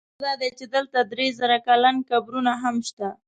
باور دا دی چې دلته درې زره کلن قبرونه هم شته.